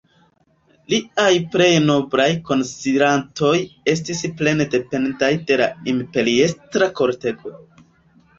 Liaj plej noblaj konsilantoj estis plene dependaj de la imperiestra kortego.